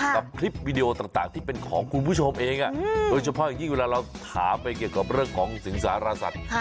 กับคลิปวิดีโอต่างที่เป็นของคุณผู้ชมเองโดยเฉพาะอย่างยิ่งเวลาเราถามไปเกี่ยวกับเรื่องของสิงสารสัตว์